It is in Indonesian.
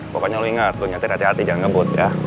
pokoknya lu inget lu nyantir hati hati jangan ngebut ya